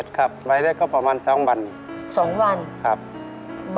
ข้อจบล็ตที่นี่จบล็ตไปครับ